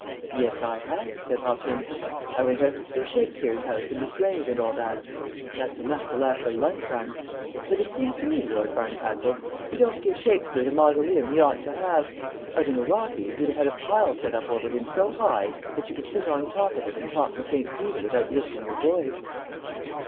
"Yes, I have," said Hopkins. "I went out to see Shakespeare's house and his grave and all that. That's enough to last a lifetime; but it seems to me, Lord Barncastle, you don't give Shakespeare the mausoleum he ought to have. Out in the Rockies we'd have had a pile set up over him so high that you could sit on top of it and talk with St. Peter without lifting your voice."